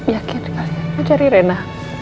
yakin kalian mau cari renna